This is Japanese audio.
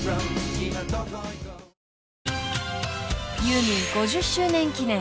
［ユーミン５０周年記念